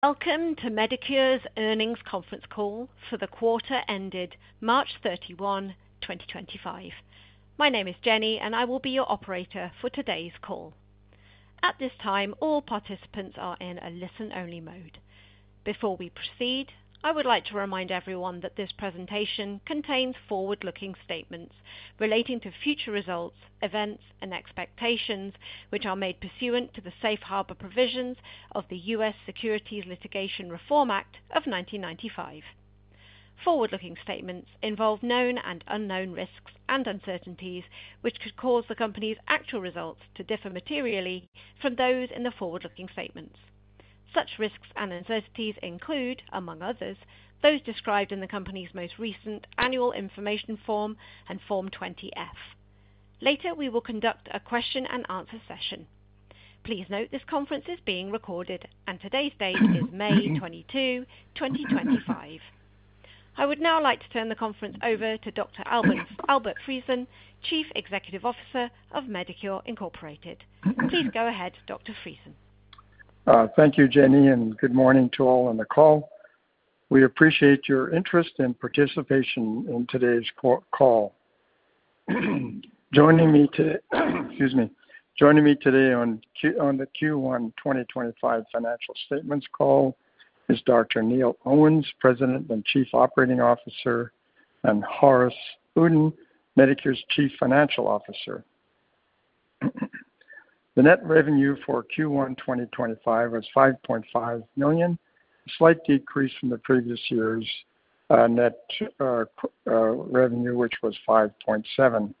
Welcome to Medicure's earnings conference call for the quarter ended March 31, 2025. My name is Jenny and I will be your operator for today's call. At this time all participants are in a listen only mode. Before we proceed, I would like to remind everyone that this presentation contains forward looking statements relating to future results, events and expectations which are made pursuant to the safe harbor provisions of the U.S. Securities Litigation Reform Act of 1995. Forward looking statements involve known and unknown risks and uncertainties which could cause the company's actual results to differ materially from those in the forward looking statements. Such risks and uncertainties include, among others, those described in the company's most recent Annual Information Form and Form 20-F. Later we will conduct a question and answer session. Please note this conference is being recorded and today's date is May 22, 2025. I would now like to turn the conference over to Dr. Albert Friesen, Chief Executive Officer of Medicure. Please go ahead, Dr. Friesen. Thank you, Jenny and good morning to all on the call. We appreciate your interest and participation in today's call. Joining me today, excuse me, joining me today on the Q1 2025 financial statements call is Dr. Neil Owens, President and Chief Operating Officer, and Haaris Uddin, Medicure's Chief Financial Officer. The net revenue for Q1 2025 was 5.5 million, a slight decrease from the previous year's net revenue which was 5.7 million.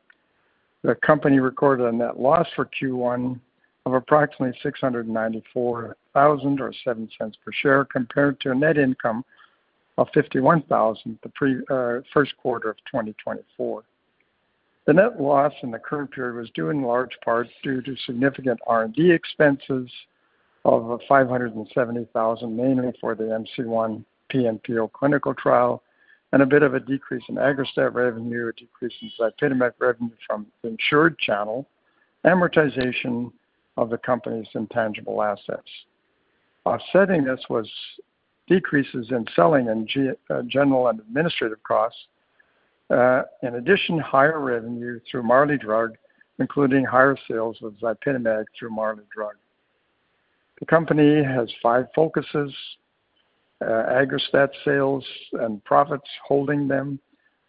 The company recorded a net loss for Q1 of approximately 694,000 or 0.07 per share, compared to a net income of 51,000 in the first quarter of 2024. The net loss in the current period was due in large part to significant R&D expenses of 570,000, mainly for the MC-1 PNPO clinical trial, and a bit of a decrease in AGGRASTAT revenue, a decrease in ZYPITAMAG revenue from the insured channel, and amortization of the company's intangible assets. Offsetting this was decreases in selling and general and administrative costs. In addition, higher revenue through Marley Drug, including higher sales of ZYPITAMAG through Marley Drug. The company has five focuses: AGGRASTAT sales and profits, holding them,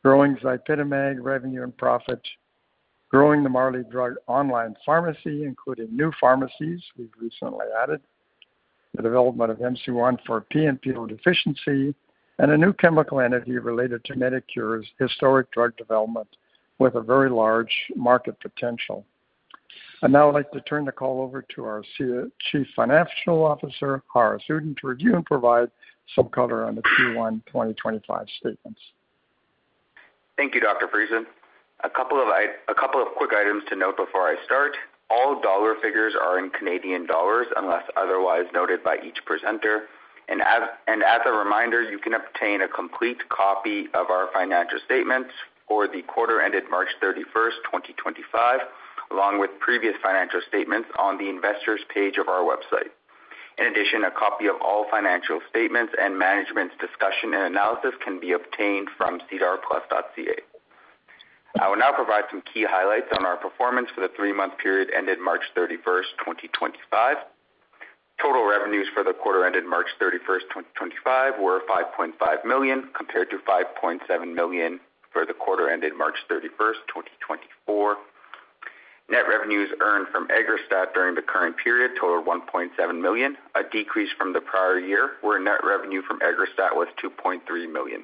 growing ZYPITAMAG revenue and profit, growing the Marley Drug online pharmacy, including new pharmacies. We have recently added the development of MC-1 for PNPO deficiency and a new chemical entity related to Medicure's historic drug development with a very large market potential. I'd now like to turn the call over to our Chief Financial Officer, Haaris Uddin, to review and provide some color on the Q1 2025 statements. Thank you Dr. Friesen. A couple of quick items to note before I start: all dollar figures are in Canadian dollars unless otherwise noted by each presenter. As a reminder, you can obtain a complete copy of our financial statements for the quarter ended March 31st, 2025 along with previous financial statements on the Investors page of our website. In addition, a copy of all financial statements and management's discussion and analysis can be obtained from sedarplus.ca. I will now provide some key highlights on our performance for the three month period ended March 31st, 2025. Total revenues for the quarter ended March 31, 2025 were 5.5 million compared to 5.7 million for the quarter ended March 31st, 2024. Net revenues earned from AGGRASTAT during the current period totaled 1.7 million, a decrease from the prior year where net revenue from AGGRASTAT was 2.3 million.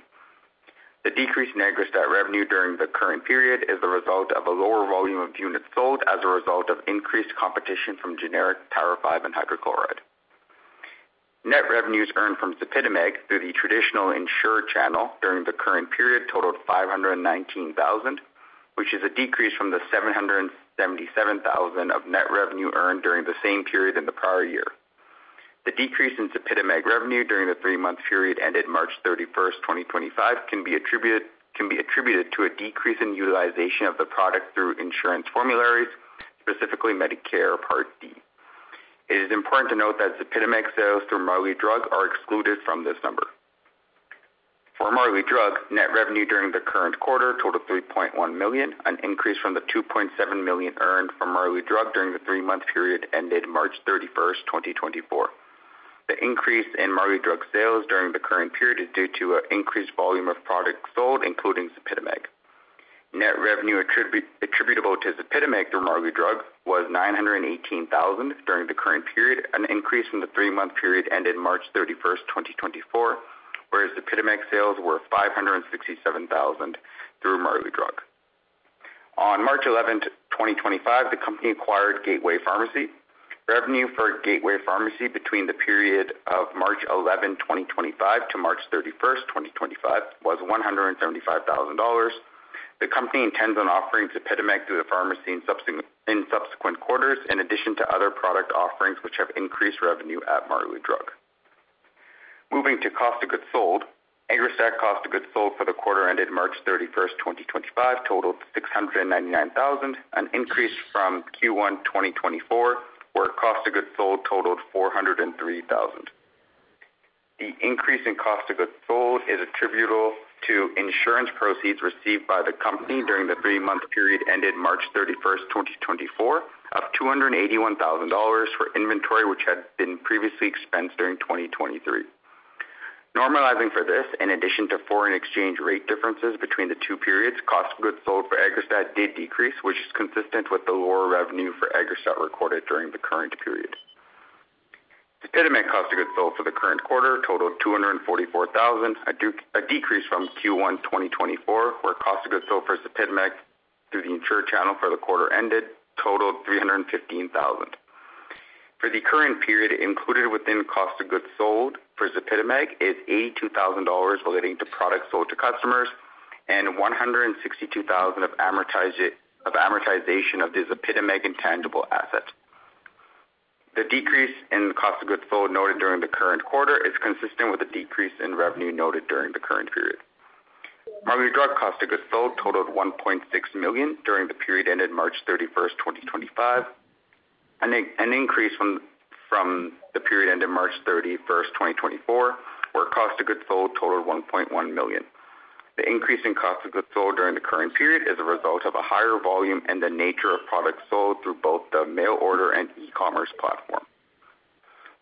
The decrease in AGGRASTAT revenue during the current period is the result of a lower volume of units sold as a result of increased competition from generic tirofiban and hydrochloride. Net revenues earned from ZYPITAMAG through the traditional insurer channel during the current period totaled 519,000, which is a decrease from the 777,000 of net revenue earned during the same period in the prior year. The decrease in ZYPITAMAG revenue during the three month period ended March 31st, 2025 can be attributed to a decrease in utilization of the product through insurance formularies, specifically Medicare Part D. It is important to note that ZYPITAMAG sales through Marley Drug are excluded from this number. For Marley Drug, net revenue during the current quarter totaled 3.1 million, an increase from the 2.7 million earned from Marley Drug during the three month period ended March 31, 2024. The increase in Marley Drug sales during the current period is due to an increased volume of products sold, including ZYPITAMAG. Net revenue attributable to ZYPITAMAG through Marley Drug was 918,000 during the current period, an increase in the three month period ended March 31st, 2024, whereas the ZYPITAMAG sales were 567,000 through Marley Drug. On March 11, 2025, the company acquired Gateway Pharmacy. Revenue for Gateway Pharmacy between the period of March 11, 2025 to March 31st, 2025 was 175,000 dollars. The company intends on offering ZYPITAMAG through the pharmacy in subsequent quarters in addition to other product offerings which have increased revenue at Marley Drug. Moving to cost of goods sold, AGGRASTAT cost of goods sold for the quarter ended March 31st, 2025 totaled 699,000, an increase from Q1 2024 where cost of goods sold totaled 403,000. The increase in cost of goods sold is attributable to insurance proceeds received by the company during the three month period ended March 31st, 2024 of CAD 281,000 for inventory which had been previously expensed during 2023. Normalizing for this, in addition to foreign exchange rate differences between the two periods, cost of goods sold for AGGRASTAT did decrease which is consistent with the lower revenue for AGGRASTAT recorded during the current period. The ZYPITAMAG cost of goods sold for the current quarter totaled 244,000, a decrease from Q1 2024 where cost of goods sold for ZYPITAMAG through the insured channel for the quarter ended totaled 315,000 for the current period. Included within cost of goods sold for ZYPITAMAG is 82,000 dollars relating to products sold to customers and 162,000 of amortization of the ZYPITAMAG intangible asset. The decrease in cost of goods sold noted during the current quarter is consistent with the decrease in revenue noted during the current period. Marley Drug cost of goods sold totaled 1.6 million during the period ended March 31st, 2025, an increase from the period ended March 31st, 2024 where cost of goods sold totaled 1.1 million. The increase in cost of goods sold during the current period is a result of a higher volume and the nature of products sold through both the mail order and e-commerce platform.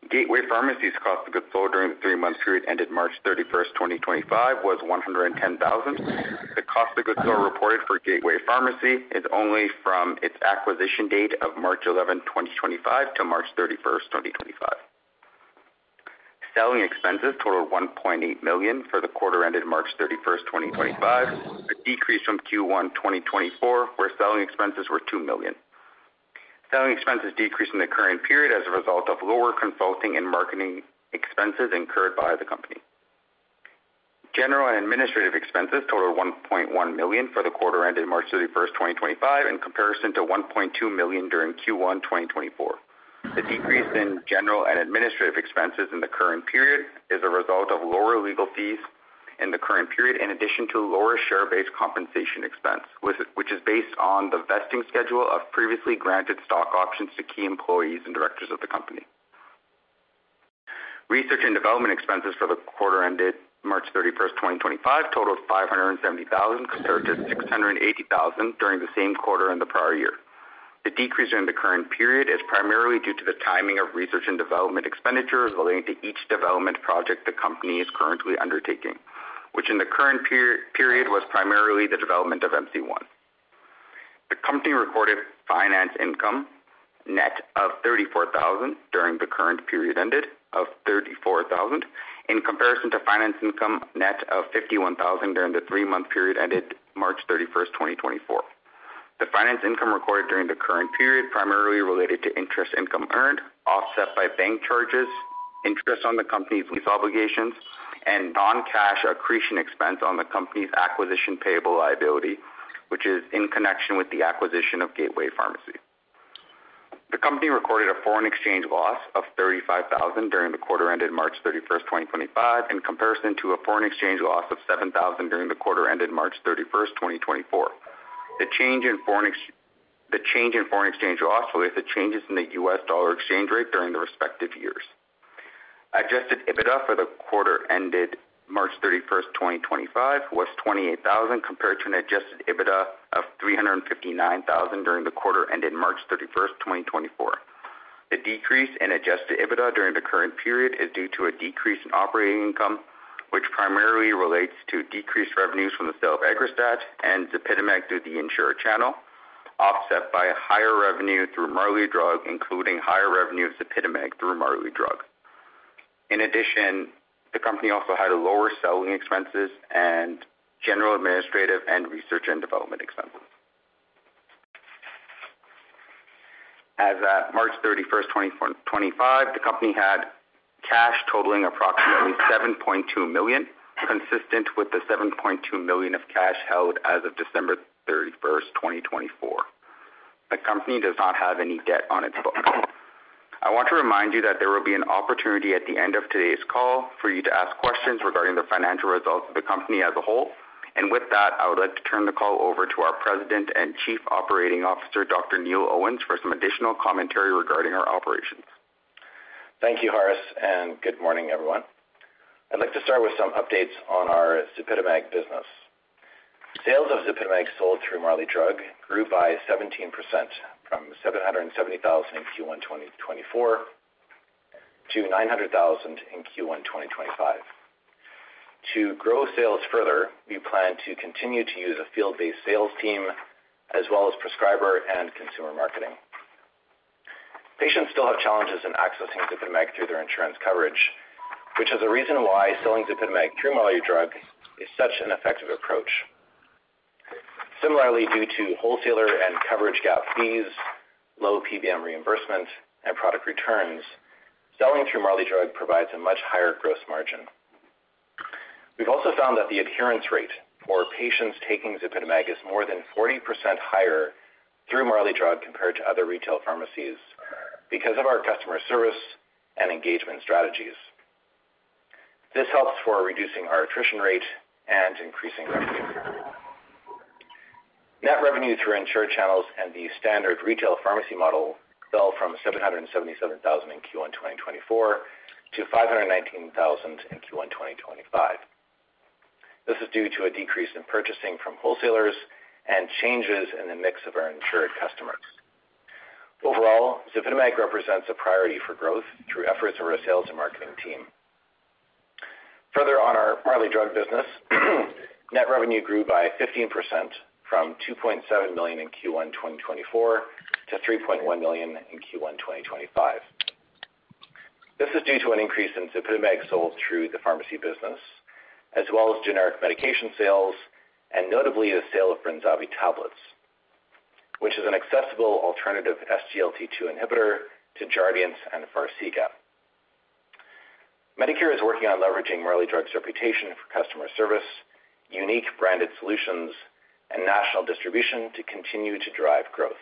Gateway Pharmacy's cost of goods sold during the three-month period ended March 31st, 2025 was 110,000. The cost of goods are reported for Gateway Pharmacy only from its acquisition date of March 11, 2025 to March 31st, 2025. Selling expenses totaled 1.8 million for the quarter ended March 31st, 2025, a decrease from Q1 2024 where selling expenses were 2 million. Selling expenses decreased in the current period as a result of lower consulting and marketing expenses incurred by the company. General and administrative expenses totaled 1.1 million for the quarter ended March 31st, 2025 in comparison to 1.2 million during Q1 2024. The decrease in general and administrative expenses in the current period is a result of lower legal fees in the current period in addition to lower share based compensation expense which is based on the vesting schedule of previously granted stock options to key employees and directors of the company. Research and development expenses for the quarter ended March 31st, 2025 totaled 570,000 compared to 680,000 during the same quarter in the prior year. The decrease during the current period is primarily due to the timing of research and development expenditures relating to each development project the company is currently undertaking, which in the current period was primarily the development of MC-1. The company recorded finance income net of 34,000 during the current period ended, in comparison to finance income net of 51,000 during the three month period ended March 31st, 2024. The finance income recorded during the current period primarily related to interest income earned offset by bank charges, interest on the company's lease obligations, and non-cash accretion expense on the company's acquisition payable liability, which is in connection with the acquisition of Gateway Pharmacy. The company recorded a foreign exchange loss of 35,000 during the quarter ended March 31st, 2025, in comparison to a foreign exchange loss of 7,000 during the quarter ended March 31st, 2024. The change in foreign exchange loss relates to changes in the U.S. Dollar exchange rate during the respective years. Adjusted EBITDA for the quarter ended March 31st, 2025 was 28,000 compared to an adjusted EBITDA of 359,000 during the quarter ended March 31st, 2024. The decrease in adjusted EBITDA during the current period is due to a decrease in operating income which primarily relates to decreased revenues from the sale of AGGRASTAT and ZYPITAMAG through the insurer channel, offset by higher revenue through Marley Drug, including higher revenue of ZYPITAMAG through Marley Drug. In addition, the company also had lower selling expenses and general administrative and research and development expenses. As at March 31st, 2025, the company had cash totaling approximately 7.2 million, consistent with the 7.2 million of cash held as of December 31st, 2024. The company does not have any debt on its book. I want to remind you that there will be an opportunity at the end of today's call for you to ask questions regarding the financial results of the company as a whole. With that, I would like to turn the call over to our President and Chief Operating Officer, Dr. Neil Owens, for some additional commentary regarding our operations. Thank you Haaris and good morning everyone. I'd like to start with some updates on our ZYPITAMAG business. Sales of ZYPITAMAG sold through Marley Drug grew by 17% from 770,000 in Q1 2024 to 900,000 in Q1 2025. To grow sales further, we plan to continue to use a field based sales team as well as prescriber and consumer marketing. Patients still have challenges in accessing ZYPITAMAG through their insurance coverage, which is a reason why selling ZYPITAMAG through Marley Drug is such an effective approach. Similarly, due to wholesaler and coverage gap fees, low PBM reimbursement and product returns, selling through Marley Drug provides a much higher gross margin. We've also found that the adherence rate for patients taking ZYPITAMAG is more than 40% higher through Marley Drug compared to other retail pharmacies because of our customer service and engagement strategies. This helps for reducing our attrition rate and increasing revenue. Net revenue through insured channels and the standard retail pharmacy model fell from 777,000 in Q1 2024 to 519,000 in Q1 2025. This is due to a decrease in purchasing from wholesalers and changes in the mix of our insured customers. Overall, ZYPITAMAG represents a priority for growth through efforts of our sales and marketing team. Further on our Marley Drug business, net revenue grew by 15% from 2.7 million in Q1 2024 to 3.1 million in Q1 2025. This is due to an increase in ZYPITAMAG sold through the pharmacy business as well as generic medication sales and notably the sale of Brenzavvy tablets which is an accessible alternative SGLT2 inhibitor to Jardiance and Farxiga. Medicure is working on leveraging Marley Drug's reputation for customer service, unique branded solutions and national distribution to continue to drive growth.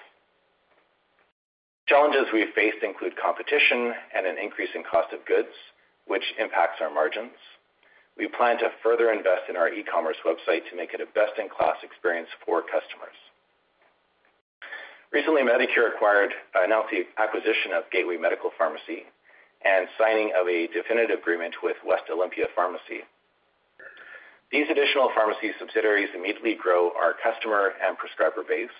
Challenges we faced include competition and an increase in cost of goods which impacts our margins. We plan to further invest in our e-commerce website to make it a best-in-class experience for customers. Recently, Medicure announced the acquisition of Gateway Pharmacy and signing of a definitive agreement with West Olympia Pharmacy. These additional pharmacy subsidiaries immediately grow our customer and prescriber base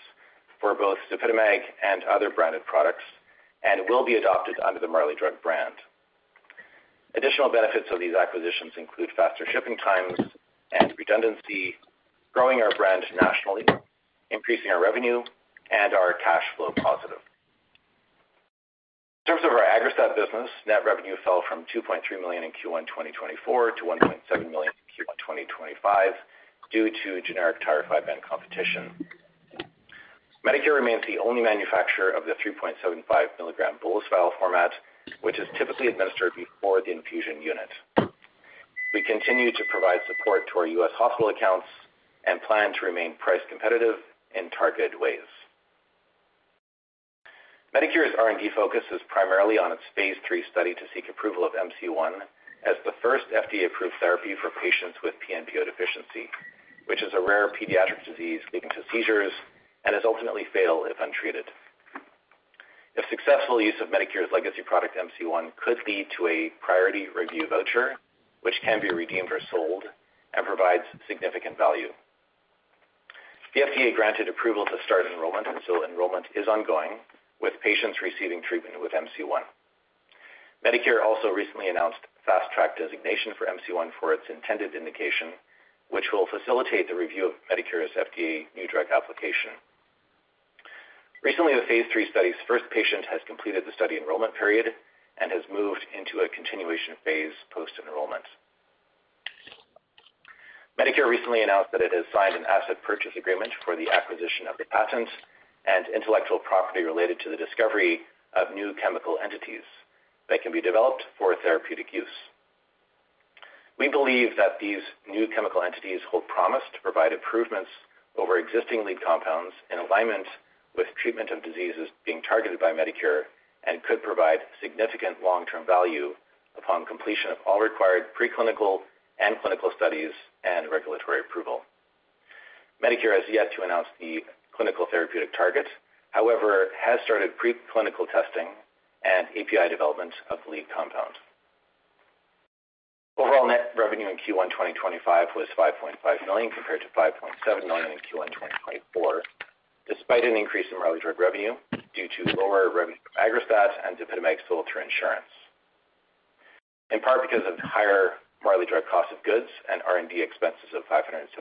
for both ZYPITAMAG and other branded products and will be adopted under the Marley Drug brand. Additional benefits of these acquisitions include faster shipping times and redundancy, growing our brand nationally, increasing our revenue and our cash flow positive. In terms of our AGGRASTAT business, net revenue fell from 2.3 million in Q1 2024 to 1.7 million in Q1 2025 due to generic tirofiban competition. Medicure remains the only manufacturer of the 3.75 mg bolus vial format which is typically administered before the infusion unit. We continue to provide support to our U.S. hospital accounts and plan to remain price competitive in targeted ways. Medicure's R&D focus is primarily on its phase III study to seek approval of MC-1 as the first FDA approved therapy for patients with PNPO deficiency, which is a rare pediatric disease leading to seizures and is ultimately fatal if untreated. If successful, use of Medicure's legacy product MC-1 could lead to a priority review voucher which can be redeemed or sold and provides significant value. The FDA granted approval to start enrollment and so enrollment is ongoing with patients receiving treatment with MC-1. Medicure also recently announced fast track designation for MC-1 for its intended indication which will facilitate the review of Medicure's FDA new drug application. Recently, the phase III study's first patient has completed the study enrollment period and has moved into a continuation phase post enrollment. Medicure recently announced that it has signed an asset purchase agreement for the acquisition of the patent and intellectual property related to the discovery of new chemical entities that can be developed for therapeutic use. We believe that these new chemical entities hold promise to provide improvements over existing lead compounds in alignment with treatment of diseases being targeted by Medicure and could provide significant long term value upon completion of all required preclinical and clinical studies and regulatory approval. Medicure has yet to announce the clinical therapeutic target, however, has started preclinical testing and API development of the lead compound. Overall net revenue in Q1 2025 was 5.5 million compared to 5.7 million in Q1 2024. Despite an increase in Marley Drug revenue due to lower revenue from AGGRASTAT and ZYPITAMAG sold through insurance in part because of higher Marley Drug cost of goods and R&D expenses of 570,000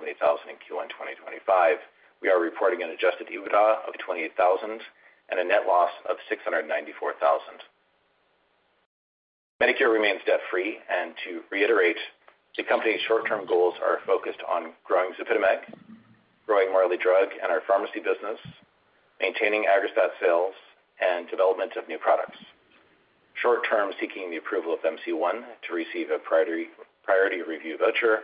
in Q1 2025, we are reporting an adjusted EBITDA of 28,000 and a net loss of 694,000. Medicure remains debt free and to reiterate, the company's short term goals are focused on growing ZYPITAMAG, growing Marley Drug and our pharmacy business, maintaining AGGRASTAT sales, and development of new products. Short term, seeking the approval of MC-1 to receive a priority review voucher,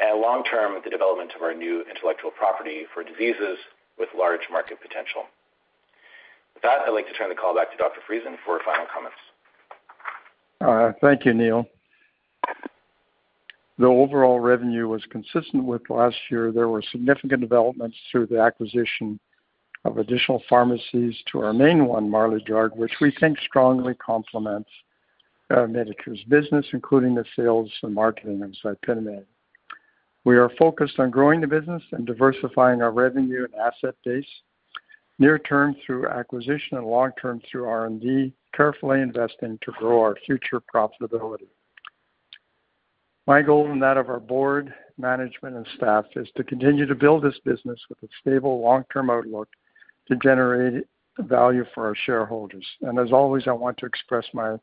and long term, the development of our new intellectual property for diseases with large market potential. With that, I'd like to turn the call back to Dr. Friesen for final comments. Thank you, Neil. The overall revenue was consistent with last year. There were significant developments through the acquisition of additional pharmacies to our main one, Marley Drug, which we think strongly complements Medicure's business, including the sales and marketing of ZYPITAMAG. We are focused on growing the business and diversifying our revenue and asset base near term through acquisition and long term through R&D, carefully investing to grow our future profitability. My goal and that of our board, management, and staff is to continue to build this business with a stable long term outlook to generate value for our shareholders. I want to express my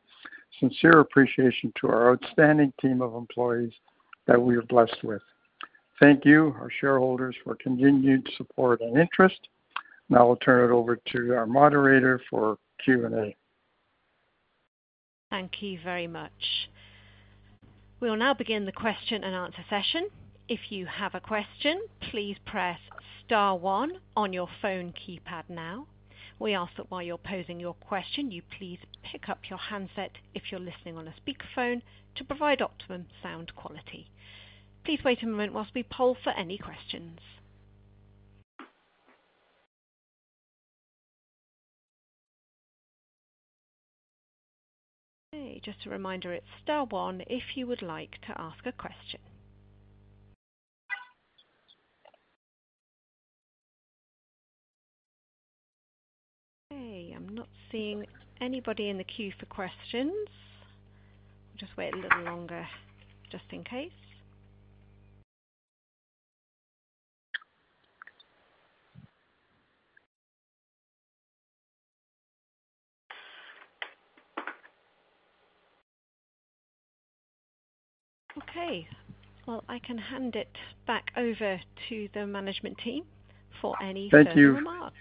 sincere appreciation to our outstanding team of employees that we are blessed with. Thank you, our shareholders, for continued support and interest. Now I'll turn it over to our moderator for Q&A. Thank you very much. We will now begin the question and answer session. If you have a question, please press star one on your phone keypad. Now we ask that while you're posing your question, you please pick up your handset if you're listening on a speakerphone to provide optimum sound quality. Please wait a moment whilst we poll for any questions. Just a reminder, it's star one if you would like to ask a question. Okay. I'm not seeing anybody in the queue for questions. Just wait a little longer just in case. Okay, I can hand it back over to the management team for any remarks.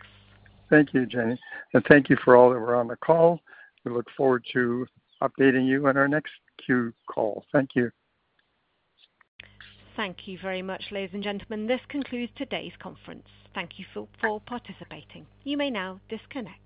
Thank you Jenny and thank you for all that were on the call. We look forward to updating you on our next Q call. Thank you. Thank you very much. Ladies and gentlemen, this concludes today's conference. Thank you for participating. You may now disconnect.